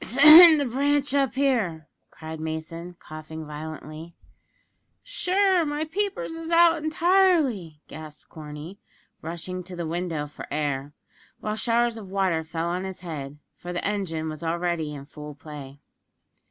"Send the branch up here," cried Mason, coughing violently. "Sure, my peepers is out entirely!" gasped Corney, rushing to the window for air; while showers of water fell on his head, for the engine was already in full play.